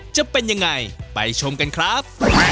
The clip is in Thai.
จะเป็นยังไงไปชมกันครับ